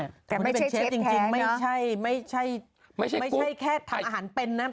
แต่ไม่ใช่เชฟแท้เนอะไม่ใช่ไม่ใช่ไม่ใช่แค่ทางอาหารเป็นนะฮะ